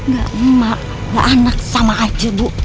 gak emak gak anak sama aja bu